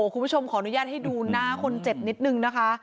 คุณผู้ชมขออนุญาตให้ดูหน้าคนเจ็บนิดนึงนะคะ